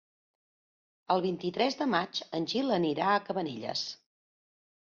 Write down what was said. El vint-i-tres de maig en Gil anirà a Cabanelles.